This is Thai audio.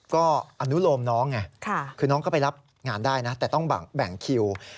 ก็อนุโลมน้องไงคือน้องก็ไปรับงานได้นะแต่ต้องแบ่งคิว